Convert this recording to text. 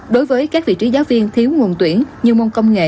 đối với các vị trí giáo viên thiếu nguồn tuyển như môn công nghệ